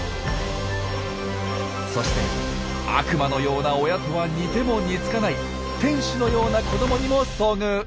そして悪魔のような親とは似ても似つかない天使のような子どもにも遭遇。